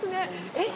えっ？